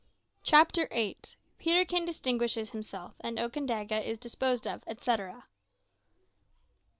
CHAPTER EIGHT. PETERKIN DISTINGUISHES HIMSELF, AND OKANDAGA IS DISPOSED OF, ETCETERA.